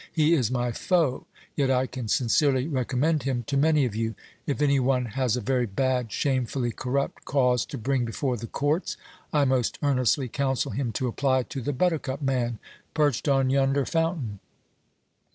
He is my foe, yet I can sincerely recommend him to many of you. If any one has a very bad, shamefully corrupt cause to bring before the courts, I most earnestly counsel him to apply to the buttercup man perched on yonder fountain.